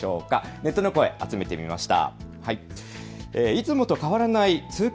ネットの声、集めてみました。